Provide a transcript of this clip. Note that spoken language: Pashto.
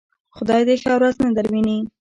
خدای دې ښه ورځ نه درويني.